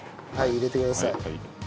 入れてください。